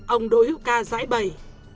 ông đỗ hữu ca giải bày